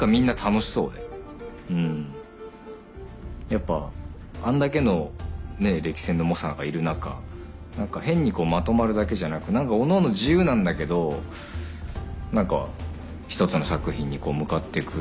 やっぱあんだけの歴戦の猛者がいる中何か変にまとまるだけじゃなく何かおのおの自由なんだけど何か一つの作品に向かっていく。